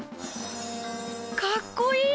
かっこいい！